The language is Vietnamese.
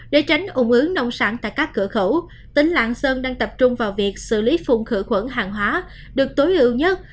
để tránh ủng ứ nông sản tại các cửa khẩu tỉnh lạng sơn đang tập trung vào việc xử lý phun khử khuẩn hàng hóa được tối ưu nhất